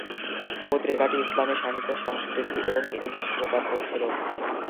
পত্রিকাটি ইসলামী সাহিত্য, সংস্কৃতি এবং ইতিহাস প্রচার করছিলো।